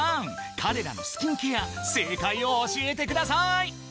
彼らのスキンケア正解を教えてください